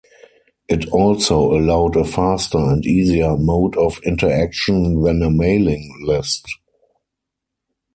It also allowed a faster and easier mode of interaction than a mailing list.